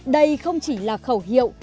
đây không chỉ là khẩu hiệu